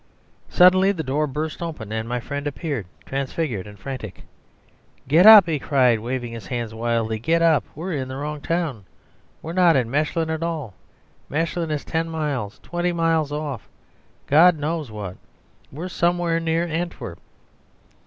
..... Suddenly the door burst open, and my friend appeared, transfigured and frantic. "Get up!" he cried, waving his hands wildly. "Get up! We're in the wrong town! We're not in Mechlin at all. Mechlin is ten miles, twenty miles off God knows what! We're somewhere near Antwerp."